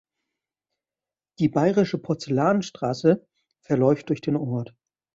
Die Bayerische Porzellanstraße verläuft durch den Ort.